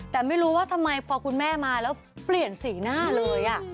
แต่ไม่รู้ว่าทำไมพอคุณแม่มาแล้วเปลี่ยนสีหน้าเลย